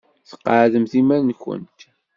Sqeɛdemt iman-nwent.